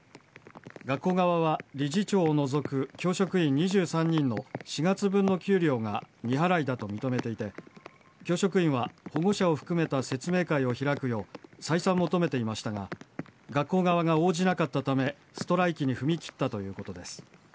学校側は理事長を除く教職員２３人の４月分の給料が未払いだと認めていて教職員は保護者を含めた説明会を開くよう再三求めていましたが学校側が応じなかったためストライキに踏み切ったということです。